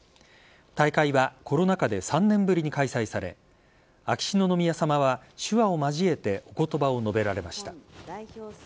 大会はコロナ禍で３年ぶりに開催され秋篠宮さまは手話を交えておことばを述べられました。